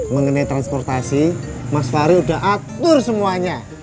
mengenai transportasi mas fahri sudah atur semuanya